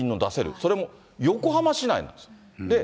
それも横浜市内なんです。